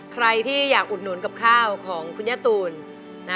ใครที่อยากอุดหนุนกับข้าวของคุณย่าตูน